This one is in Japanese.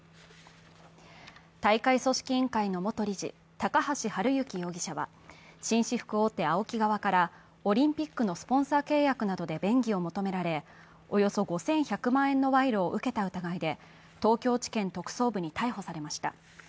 大会組織委員会の元理事、高橋治之容疑者は紳士服大手ＡＯＫＩ側からオリンピックのスポンサー契約などで便宜を求められ、およそ５１００万円の賄賂を受けた疑いで東京地検特捜部に逮捕されました。